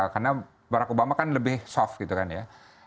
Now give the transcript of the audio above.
karena barack obama kan lebih soft gitu kan ya